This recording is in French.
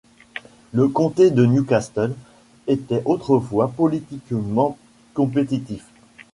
Le comté de New Castle était autrefois politiquement compétitif.